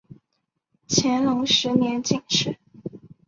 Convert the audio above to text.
乾隆十年进士。